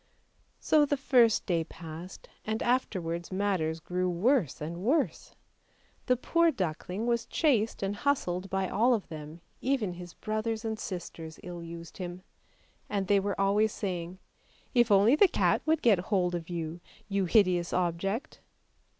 So the first day passed, and afterwards matters grew worse and worse. The poor duckling was chased and hustled by all of them, even his brothers and sisters ill used him; and they were always saying, " If only the cat would get hold of you, you hideous object"!